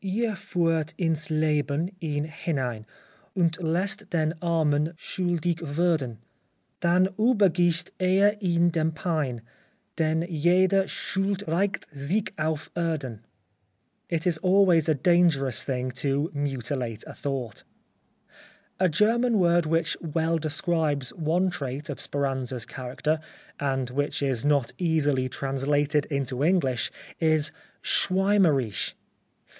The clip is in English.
" Ihr fuehrt ins Leben ihn hinein Und laesst den Armen schuldig werden Dann uebergiebt Ihr ihn dem Pein Denn jede Schuld raecht sich auf Erden." It is always a dangerous thing to mutilate a thought. \ German word which well describes one trait of Speranza's character, and which is not easily translated into English, is Schwaermerisch.